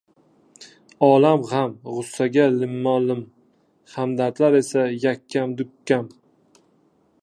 • Olam g‘am-g‘ussaga limmo-lim. Hamdardlar esa yakkam-dukkam.